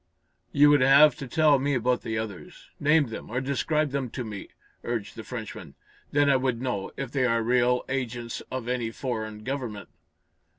"You would have to tell me about the others. Name them, or describe them to me," urged the Frenchman. "Then I would know, if they are real agents of any foreign government."